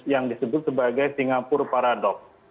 yang disebut sebagai singapura paradoks